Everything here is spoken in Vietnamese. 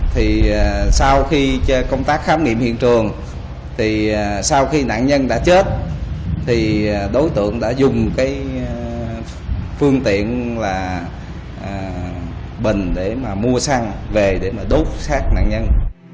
thì sau khi công tác khám nghiệm hiện trường thì sau khi nạn nhân đã chết thì đối tượng đã dùng cái phương tiện là bình để mà mua xăng về để mà đốt sát nạn nhân